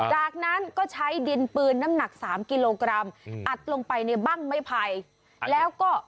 จากนั้นก็ใช้ดินปืนน้ำหนักสามกิโลกรัมอัดลงไปในบั้งไม้ไผ่แล้วก็